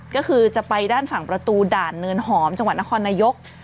ก็คือจะไปด้านฝั่งประตูด่านเนินหอมจังหวัดนครนายก